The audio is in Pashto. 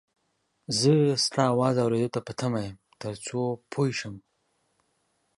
زه ستا اواز اورېدو ته په تمه یم تر څو پوی شم